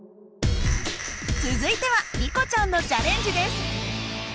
続いてはリコちゃんのチャレンジです。